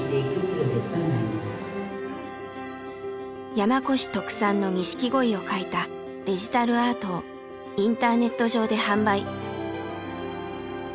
山古志特産の錦鯉を描いたデジタルアートをインターネット上で販売。